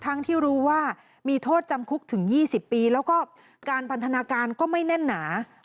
ทั้งที่รู้ว่ามีโทษจำคุกถึง๒๐ปีแล้วก็การพันธนาการก็ไม่แน่นหนา